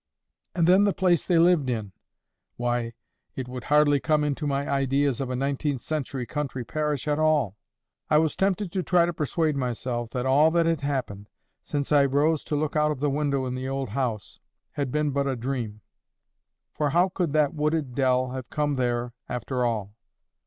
And then the place they lived in! Why, it would hardly come into my ideas of a nineteenth century country parish at all. I was tempted to try to persuade myself that all that had happened, since I rose to look out of the window in the old house, had been but a dream. For how could that wooded dell have come there after all?